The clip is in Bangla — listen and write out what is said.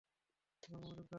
এখন মনোযোগ দাও।